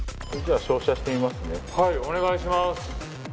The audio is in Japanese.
はいお願いします。